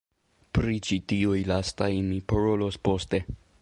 Pri ĉi tiuj lastaj mi parolos poste.